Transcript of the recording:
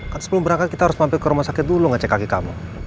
kan sebelum berangkat kita harus mampir ke rumah sakit dulu ngecek kaki kamu